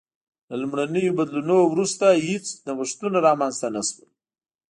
له لومړنیو بدلونونو وروسته هېڅ نوښتونه رامنځته نه شول